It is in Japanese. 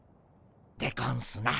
でゴンスな。